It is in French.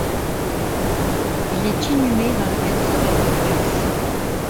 Il est inhumé dans la cathédrale de Wells.